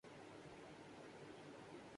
وینا ملک نے اسد خٹک سے علیحدگی کی تصدیق کردی